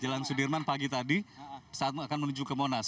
jalan sudirman pagi tadi saat akan menuju ke monas